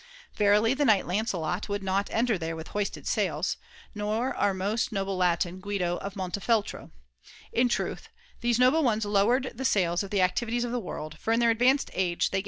Verily the knight Lancelot would not enter there with hoisted sails ; nor our most noble Latin, Guido of Montefeltro. In truth, these noble ones lowered the sails of the activities of the world j for in their advanced age they gave XXVIII.